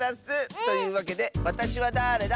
というわけで「わたしはだれだ？」